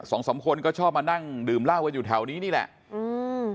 สองสามคนก็ชอบมานั่งดื่มเหล้ากันอยู่แถวนี้นี่แหละอืม